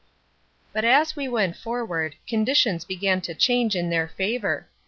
But as we went forward, conditions began to change in their favor.